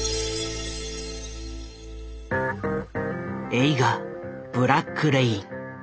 映画「ブラック・レイン」。